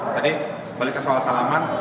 jadi balik ke soal salaman